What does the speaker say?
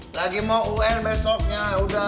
lagi mau un besoknya